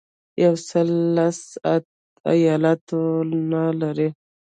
یو سل لس ایاتونه لري.